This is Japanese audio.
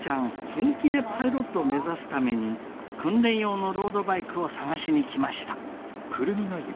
本気でパイロットを目指すために訓練用のロードバイクを探しに来ました。